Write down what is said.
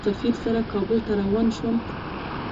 سفیر سره کابل ته روان شوم.